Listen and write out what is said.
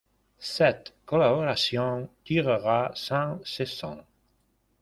Cette collaboration durera cinq saisons.